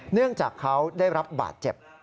เนื่องจากเขาได้รับบาดเจ็บ